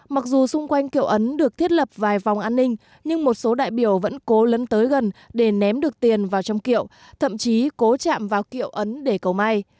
mặc dù xung quanh kiệu ấn được thiết lập vài vòng an ninh nhưng một số đại biểu vẫn cố lấn tới gần để ném được tiền vào trong kiệu thậm chí cố chạm vào kiệu ấn để cầu mai